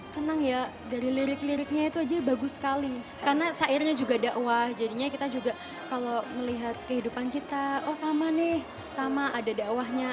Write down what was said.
senang ya dari lirik liriknya itu aja bagus sekali karena syairnya juga dakwah jadinya kita juga kalau melihat kehidupan kita oh sama nih sama ada dakwahnya